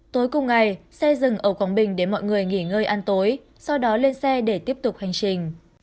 tối cùng ngày xe dừng ở quảng bình để mọi người nghỉ ngơi ăn tối sau đó lên xe để tiếp tục hành trình